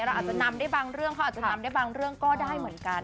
เราอาจจะนำได้บางเรื่องเขาอาจจะนำได้บางเรื่องก็ได้เหมือนกัน